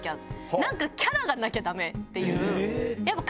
なんかキャラがなきゃダメっていう。